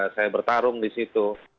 saya bertarung di situ